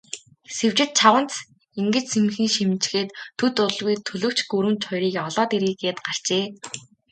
Сэвжид чавганц ингэж сэмхэн шивнэчхээд, төд удалгүй төлгөч гүрэмч хоёрыг олоод ирье гээд гарчээ.